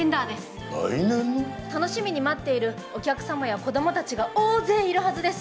楽しみに待っているお客様や子どもたちが大勢いるはずです。